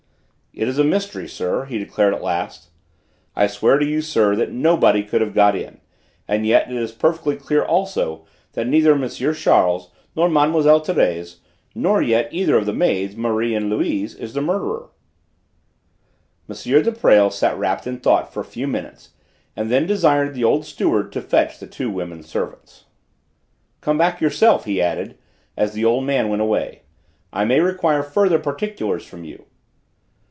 "It is a mystery, sir," he declared at last. "I swear to you, sir, that nobody could have got in, and yet it is perfectly clear also that neither M. Charles nor Mlle. Thérèse, nor yet either of the two maids, Marie and Louise, is the murderer." M. de Presles sat wrapped in thought for a few minutes and then desired the old steward to fetch the two women servants. "Come back, yourself," he added, as the old man went away; "I may require further particulars from you."